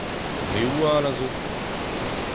Reoù all a zo.